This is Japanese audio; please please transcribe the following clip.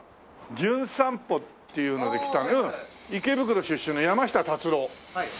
『じゅん散歩』っていうので来た池袋出身の山下達郎。